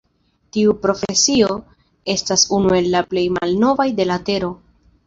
Tiu profesio estas unu el la plej malnovaj de la tero.